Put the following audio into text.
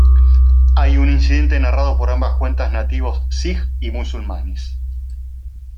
Hay un incidente narrado por ambas cuentas nativos sijs y musulmanes.